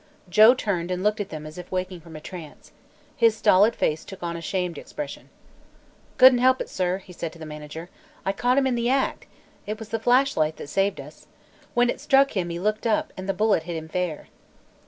Joe turned and looked at them as if waking from a trance. His stolid face took on a shamed expression. "Couldn't help it, sir," he said to the manager. "I caught him in the act. It was the flashlight that saved us. When it struck him he looked up and the bullet hit him fair."